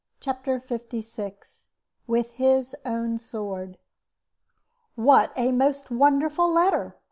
CHAPTER LVI WITH HIS OWN SWORD "What a most wonderful letter!"